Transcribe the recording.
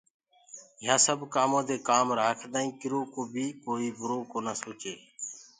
يهآنٚ سب ڪآمودي ڪآم رآکدآئينٚ ڪرو ڪو بيٚ ڪوئيٚ برو ڪونآ سوچي